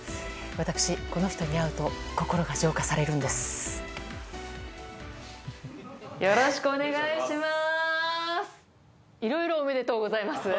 私、この人に会うと心が浄化されるんです。